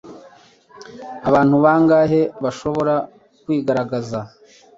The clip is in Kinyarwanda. Abantu bangahe bashobora kwigaragaza